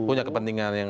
punya kepentingan yang lain